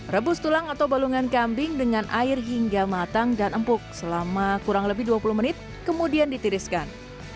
rebus tulang atau balungan kambing dengan air hingga matang dan empuk selama kurang lebih dua puluh menit kemudian ditiriskan